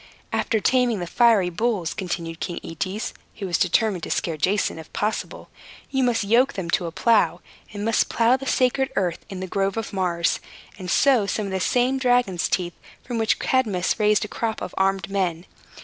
"After taming the fiery bulls," continued King Aetes, who was determined to scare Jason if possible, "you must yoke them to a plow, and must plow the sacred earth in the Grove of Mars, and sow some of the same dragon's teeth from which Cadmus raised a crop of armed men.